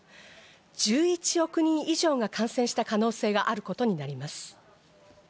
１１億人以上が感染した可能性があることになります。